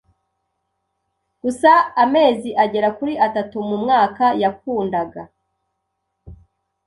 gusa amezi agera kuri atatu mu mwaka Yakundaga